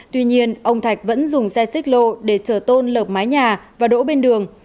tuy nhiên ông thạch vẫn dùng xe xích lô để trở tôn lợp mái nhà và đỗ bên đường